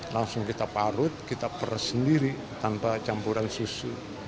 langsung kita parut kita peras sendiri tanpa campuran susu